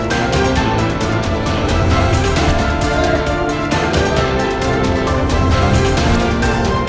terima kasih banyak